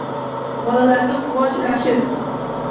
Bolalarga quvonch ulashib